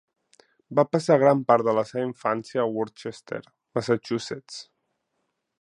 Va passar gran part de la seva infància a Worcester, Massachusetts.